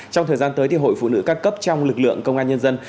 trong thời gian tới hội phụ nữ các cấp trong lực lượng công an nhân dân